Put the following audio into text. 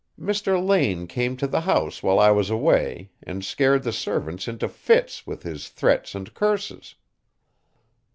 Mr. Lane came to the house while I was away and scared the servants into fits with his threats and curses.